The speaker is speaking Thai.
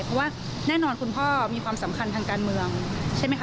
เพราะว่าแน่นอนคุณพ่อมีความสำคัญทางการเมืองใช่ไหมคะ